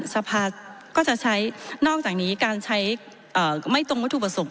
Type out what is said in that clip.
สภาก็จะใช้นอกจากนี้การใช้ไม่ตรงวัตถุประสงค์